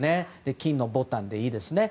金のボタンでいいですね。